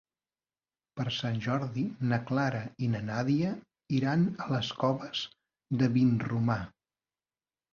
Per Sant Jordi na Carla i na Nàdia iran a les Coves de Vinromà.